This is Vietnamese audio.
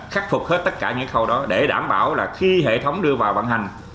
khắc phục hết tất cả những khâu đó để đảm bảo là khi hệ thống đưa vào vận hành